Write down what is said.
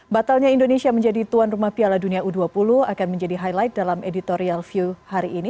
batalnya indonesia menjadi tuan rumah piala dunia u dua puluh akan menjadi highlight dalam editorial view hari ini